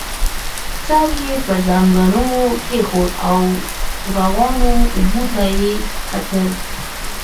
سر يې پر زنګنو کېښود او روانو اوبو ته يې کتل.